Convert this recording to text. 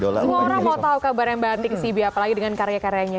semua orang mau tau kabar yang mbak atik sibi apalagi dengan karya karyanya